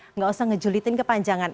enggak usah ngejulitin kepanjangan